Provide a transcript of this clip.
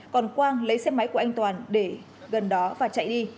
còn quang lấy xe máy của anh toàn để gần đó và chạy đi